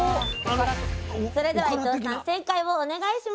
それでは伊藤さん正解をお願いします！